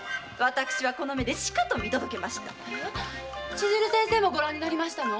千鶴先生もご覧になりましたの？